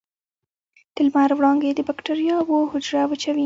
د لمر وړانګې د بکټریاوو حجره وچوي.